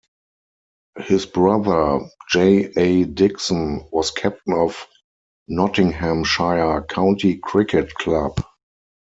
His brother, J A Dixon, was captain of Nottinghamshire County Cricket Club.